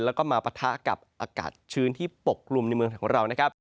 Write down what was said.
แล้วก็มาปะทะกับอากาศชื้นที่ปกลุ่มในเมืองของเรานะครับ